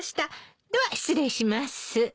では失礼します。